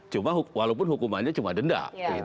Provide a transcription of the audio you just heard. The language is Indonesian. cuma walaupun hukumannya cuma denda